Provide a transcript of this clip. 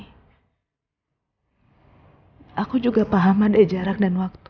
hai aku juga paham ada jarak dan waktu